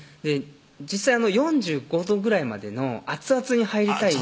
実際４５度ぐらいまでの熱々に入りたい